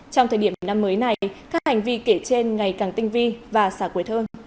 trong thời điểm năm mới này các hành vi kể trên ngày càng tinh vi và xả quấy thơ